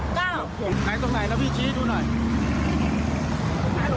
ดูแล้วก็เห็นเป็นศพเลย